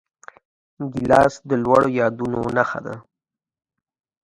ګیلاس د لوړو یادونو نښه ده.